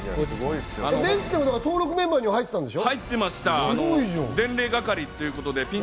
ベンチでも登録メンバーには入ってたんでしょう？